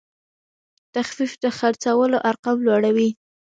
تخفیف د خرڅلاو ارقام لوړوي.